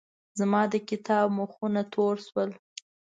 زما د کتاب مخونه تور شول.